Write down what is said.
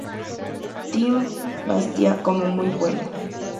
Team Batista como "muy buena".